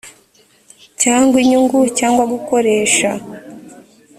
cyangwa inyungu cyangwa gukoresha